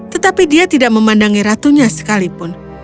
tetapi dia tidak memandangi ratunya sekalipun